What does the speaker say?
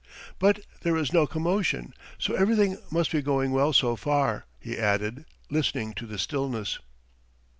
"But there is no commotion, so everything must be going well so far," he added, listening in the stillness.